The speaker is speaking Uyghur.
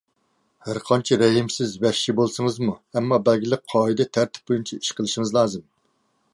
ھەر قانچە رەھىمسىز، ۋەھشىي بولسىڭىزمۇ، ئەمما بەلگىلىك قائىدە، تەرتىپ بويىچە ئىش قىلىشىڭىز لازىم.